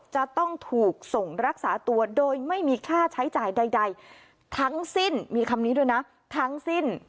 จะต้องถูกส่งรักษาตัวโดยไม่มีค่าใช้จ่ายใดทั้งสิ้นมีคำนี้ด้วยนะทั้งสิ้น